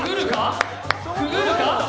くぐるか？